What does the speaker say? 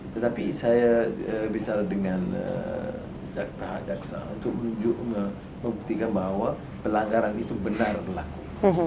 tetapi saya bicara dengan jaksa untuk membuktikan bahwa pelanggaran itu benar berlaku